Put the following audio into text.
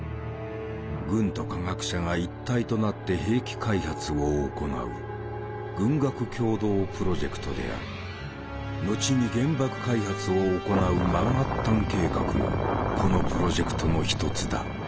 軍と科学者が一体となって兵器開発を行う後に原爆開発を行うマンハッタン計画もこのプロジェクトの一つだ。